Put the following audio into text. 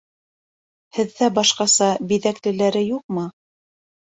Һеҙҙә башҡаса биҙәклеләре юҡмы?